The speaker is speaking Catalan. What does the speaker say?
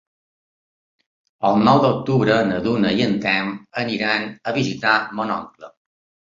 El nou d'octubre na Duna i en Telm aniran a visitar mon oncle.